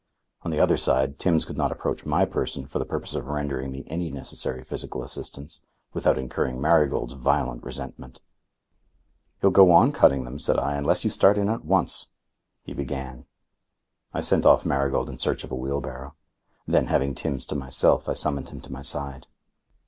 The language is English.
On the other side, Timbs could not approach my person for the purpose of rendering me any necessary physical assistance, without incurring Marigold's violent resentment. "He'll go on cutting them," said I, "unless you start in at once." He began. I sent off Marigold in search of a wheelbarrow. Then, having Timbs to myself, I summoned him to my side.